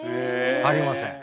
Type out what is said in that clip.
ありません。